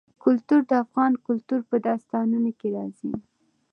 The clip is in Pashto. کلتور د افغان کلتور په داستانونو کې راځي.